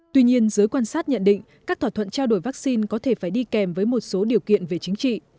tuy nhiên giới quan sát nhận định các thỏa thuận trao đổi vaccine có thể phải đi kèm với một số điều kiện về chính trị